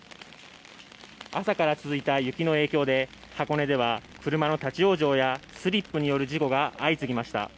朝から続いた雪の影響で箱根では車の立往生やスリップによる事故が相次ぎました。